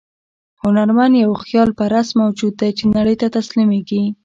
هنرمند یو خیال پرست موجود دی چې نړۍ ته تسلیمېږي.